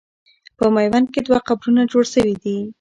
په میوند کې دوه قبرونه جوړ سوي دي.